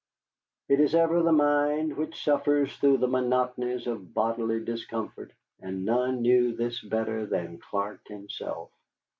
It is ever the mind which suffers through the monotonies of bodily discomfort, and none knew this better than Clark himself.